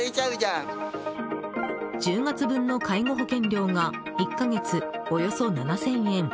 １０月分の介護保険料が１か月およそ７０００円。